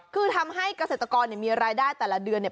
คือทำให้เกษตรกรเนี่ยมีรายได้แต่ละเดือนเนี่ย